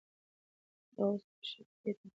هغه اوس تشې کوټې ته ستنه شوه.